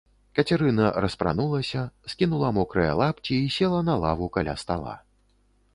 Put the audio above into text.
Кацярына распранулася, скінула мокрыя лапці і села на лаву каля стала.